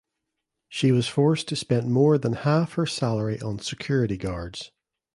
She was forced to spend more than half her salary on security guards.